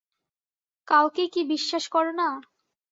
কাউকেই কি বিশ্বাস করো না?